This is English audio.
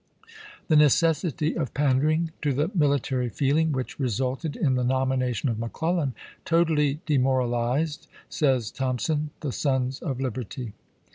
" The ne De^c'^K?! cessity of pandering to the military feeling, which confed resulted in the nomination of McClellan, totally de ArXves. moralizcd," says Thompson, " the Sons of Liberty."